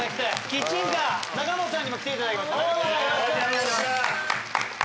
キッチンカー中元さんにも来ていただきました。